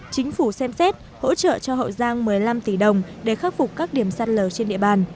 chính phủ xem xét hỗ trợ cho hậu giang một mươi năm tỷ đồng để khắc phục các điểm sạt lở trên địa bàn